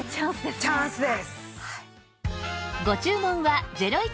チャンスです。